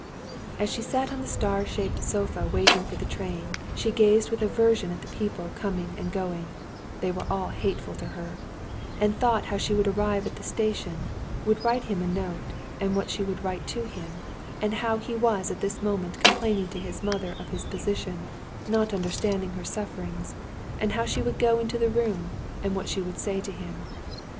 As she sat on the star shaped sofa waiting for the train, she gazed with aversion at the people coming and going (they were all hateful to her), and thought how she would arrive at the station, would write him a note, and what she would write to him, and how he was at this moment complaining to his mother of his position, not understanding her sufferings, and how she would go into the room, and what she would say to him.